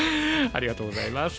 ありがとうございます。